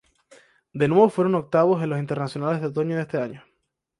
De nuevo fueron octavos en los internacionales de otoño de ese año.